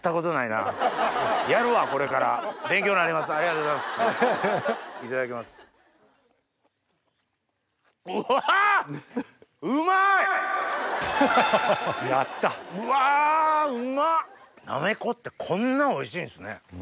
なめこってこんなおいしいんですね。